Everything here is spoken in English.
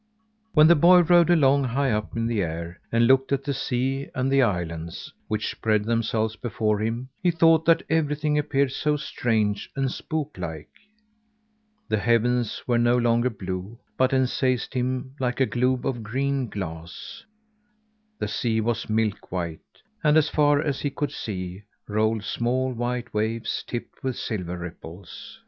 When the boy rode along high up in the air, and looked at the sea and the islands which spread themselves before him, he thought that everything appeared so strange and spook like. The heavens were no longer blue, but encased him like a globe of green glass. The sea was milk white, and as far as he could see rolled small white waves tipped with silver ripples.